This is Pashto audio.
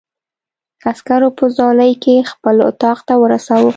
عسکرو په ځولۍ کې خپل اتاق ته ورساوه.